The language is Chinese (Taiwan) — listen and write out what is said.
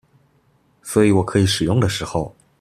所以我可以使用的時候